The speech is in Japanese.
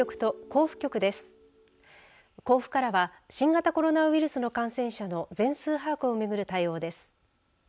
甲府からは新型コロナウイルスの感染者の全数把握を巡る対応です。